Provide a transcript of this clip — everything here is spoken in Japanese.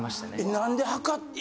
何で測って。